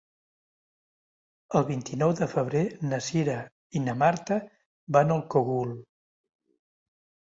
El vint-i-nou de febrer na Cira i na Marta van al Cogul.